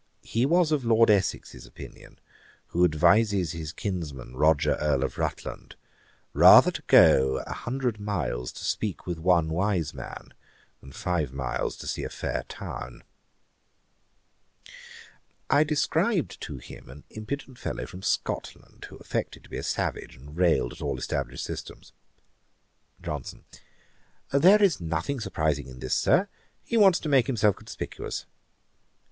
He was of Lord Essex's opinion, who advises his kinsman Roger Earl of Rutland, 'rather to go an hundred miles to speak with one wise man, than five miles to see a fair town.' [Page 432: Lord Hailes. A.D. 1763.] I described to him an impudent fellow from Scotland, who affected to be a savage, and railed at all established systems. JOHNSON. 'There is nothing surprizing in this, Sir. He wants to make himself conspicuous.